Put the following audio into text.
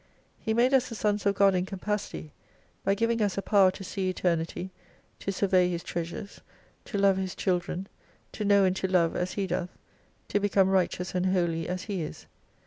He made us the sons of God in capacity by giving us a power to see Eternity, to survey His treasures, to love His children, to know and to love as He doth, to become righteous and holy as He is.